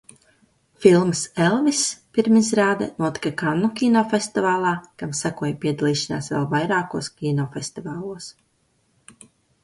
"Filmas "Elviss" pirmizrāde notika Kannu kinofestivālā, kam sekoja piedalīšanās vēl vairākos kinofestivālos."